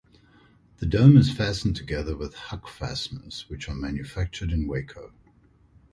The dome is fastened together with Huck fasteners, which are manufactured in Waco.